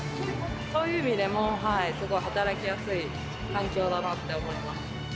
そういう意味でも、すごい働きやすい環境だなって思います。